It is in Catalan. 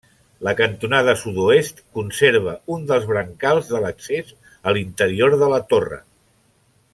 La cantonada sud-oest conserva un dels brancals de l'accés a l'interior de la torre.